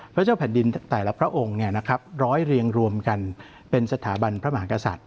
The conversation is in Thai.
พระเจ้าแผ่นดินแต่ละพระองค์ร้อยเรียงรวมกันเป็นสถาบันพระมหากษัตริย